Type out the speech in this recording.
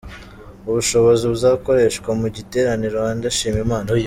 Ubushobozi buzakoreshwa mu giterane Rwanda, Shima Imana !